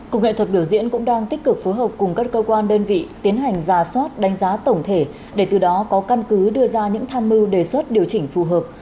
cục nghệ thuật biểu diễn cũng đang tích cực phối hợp cùng các cơ quan đơn vị tiến hành giả soát đánh giá tổng thể để từ đó có căn cứ đưa ra những tham mưu đề xuất điều chỉnh phù hợp